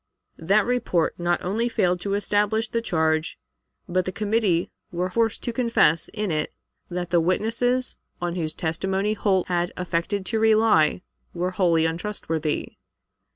"That report not only failed to establish the charge, but the committee were forced to confess in it that the witnesses, on whose testimony Holt had affected to rely, were wholly untrustworthy.